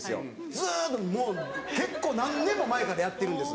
ずっともう結構何年も前からやってるんです。